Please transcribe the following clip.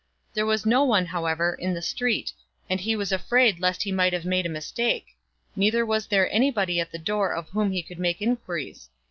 There was no one, however, in the street, and he was afraid lest he might have made a mistake ; neither was there anybody at the door of whom he could make inquiries.